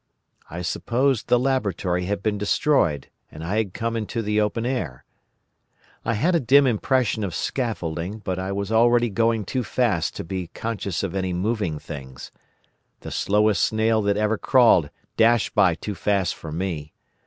I supposed the laboratory had been destroyed and I had come into the open air. I had a dim impression of scaffolding, but I was already going too fast to be conscious of any moving things. The slowest snail that ever crawled dashed by too fast for me.